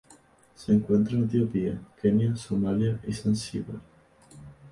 Se encuentra en Etiopía, Kenia, Somalia y Zanzíbar.